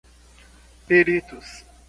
peritos